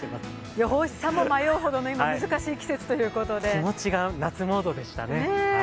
予報士さんも迷うほどの難しい季節ということで気持ちが夏モードでしたね。